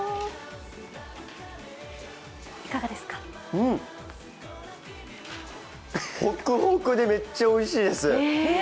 うん、ホクホクでめっちゃおいしいです。